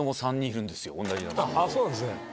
そうなんですね。